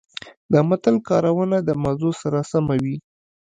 د متل کارونه د موضوع سره سمه وي